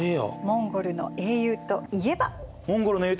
モンゴルの英雄といえば蒼き狼そう。